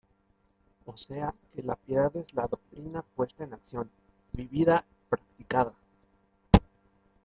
O sea, que la piedad es la doctrina puesta en acción, vivida, practicada.